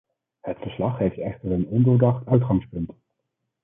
Het verslag heeft echter een ondoordacht uitgangspunt.